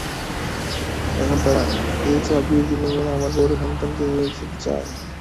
এখন তারা এই চাবির বিনিময়ে আমার বড় সন্তানকে নিয়ে যেতে চায়।